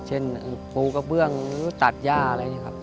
เช่นปูกระเบื้องตัดย่าอะไรอย่างนี้ครับ